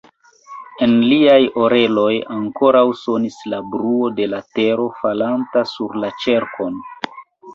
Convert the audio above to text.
En liaj oreloj ankoraŭ sonis la bruo de la tero falanta sur la ĉerkon.